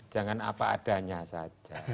jangan apa adanya saja